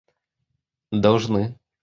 должны